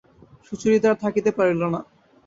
সুচরিতা আর থাকিতে পারিল না।